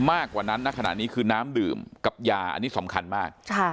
มากกว่านั้นณขณะนี้คือน้ำดื่มกับยาอันนี้สำคัญมาก